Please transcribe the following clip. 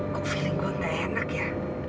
aku merasa aku gak enak ya